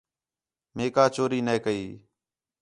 مئے کا چوری نَے کئی